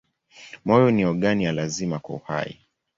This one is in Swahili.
Moyo ni ogani ya lazima kwa uhai.